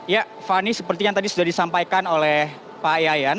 ya fani seperti yang tadi sudah disampaikan oleh pak yayan